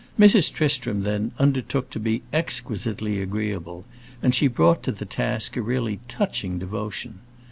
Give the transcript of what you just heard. Mrs. Tristram, then, undertook to be exquisitely agreeable, and she brought to the task a really touching devotion.